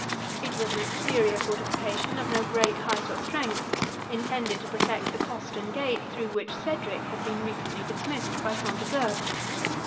It was an exterior fortification of no great height or strength, intended to protect the postern gate, through which Cedric had been recently dismissed by Front de Bœuf.